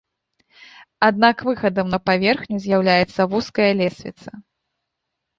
Аднак выхадам на паверхню з'яўляецца вузкая лесвіца.